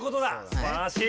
すばらしい！